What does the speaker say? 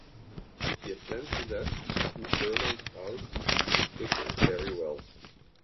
She had plenty left two furlongs out and quickened very well.